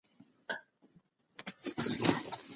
هورمونونه د مغز په بېلابېلو برخو کې فعالیت کوي.